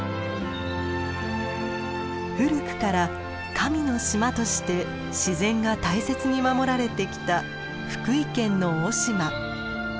古くから「神の島」として自然が大切に守られてきた福井県の雄島。